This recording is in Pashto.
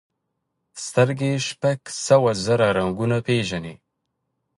سترګې شپږ سوه زره رنګونه پېژني.